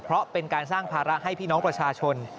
เพราะเป็นการสร้างภาระให้พี่น้องประชาชน